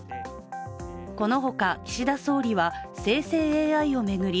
このほか、岸田総理は生成ＡＩを巡り